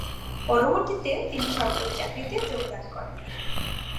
পরবর্তীতে, তিনি সরকারি চাকরিতে যোগদান করেন।